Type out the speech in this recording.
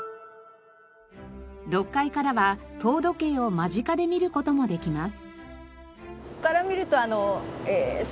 ６階からは塔時計を間近で見る事もできます。